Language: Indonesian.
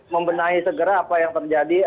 membenahi segera apa yang terjadi